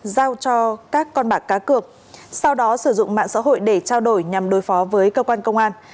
giao cho các con bạc cá cược sau đó sử dụng mạng xã hội để trao đổi nhằm đối phó với cơ quan công an